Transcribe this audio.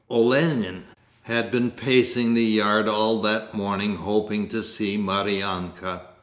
Olenin had been pacing the yard all that morning hoping to see Maryanka.